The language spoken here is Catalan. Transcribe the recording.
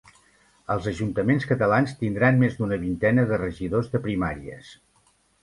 Els ajuntaments catalans tindran més d'una vintena de regidors de Primàries